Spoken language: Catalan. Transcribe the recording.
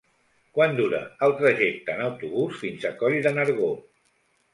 Quant dura el trajecte en autobús fins a Coll de Nargó?